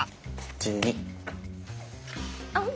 １２！